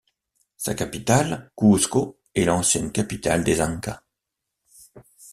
Sa capitale, Cuzco, est l'ancienne capitale des Incas.